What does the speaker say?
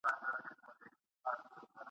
چي به کله ښکاري باز پر را ښکاره سو !.